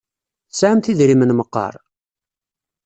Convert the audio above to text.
Tesɛamt idrimen meqqar?